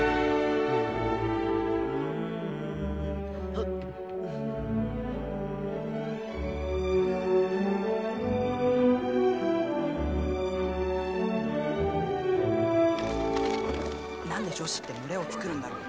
はっ何で女子って群れをつくるんだろう？